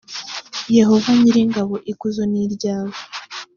yehova nyir’ ingabo ikuzo niryawe.